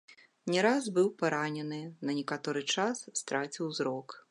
Не раз быў паранены, на некаторы час страціў зрок.